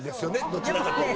どちらかというと。